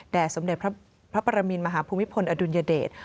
สมเด็จพระปรมินมหาภูมิพลอดุลยเดช